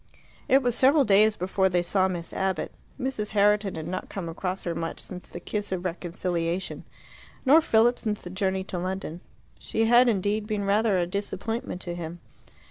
It was several days before they saw Miss Abbott. Mrs. Herriton had not come across her much since the kiss of reconciliation, nor Philip since the journey to London. She had, indeed, been rather a disappointment to him.